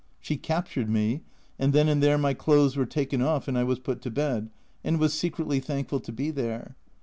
She captured me, and then and there my clothes were taken off and I was put to bed and was secretly thankful to be there.